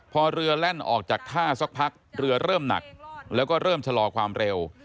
พอเรือแล่นออกจากท่าสักพักเรือเริ่มหนักแล้วก็เริ่มชะลอความเร็ว